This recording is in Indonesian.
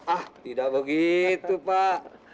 ah tidak begitu pak